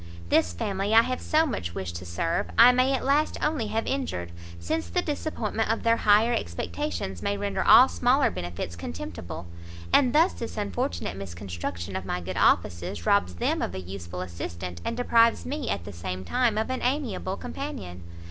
This family I have so much wished to serve, I may at last only have injured, since the disappointment of their higher expectations, may render all smaller benefits contemptible. And thus this unfortunate misconstruction of my good offices, robs them of a useful assistant, and deprives me at the same time of an amiable companion."